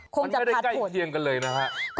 มันไม่ได้ใกล้เคียงกันเลยนะฮะ